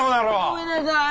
ごめんなさい。